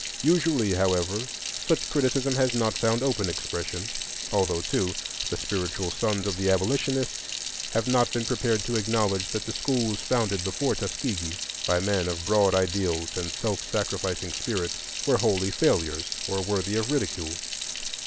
Usually, however, such criticism has not found open expression, although, too, the spiritual sons of the Abolitionists have not been prepared to acknowledge that the schools founded before Tuskegee, by men of broad ideals and self sacrificing spirit, were wholly failures or worthy of ridicule.